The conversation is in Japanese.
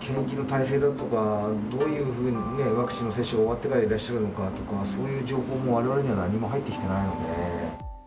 検疫の体制だとか、どういうふうにワクチンの接種が終わってからいらっしゃるのかとか、そういう情報もわれわれには何も入ってきてないので。